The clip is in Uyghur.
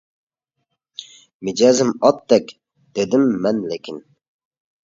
— مىجەزىم ئاتتەك، — دېدىم مەن، — لېكىن.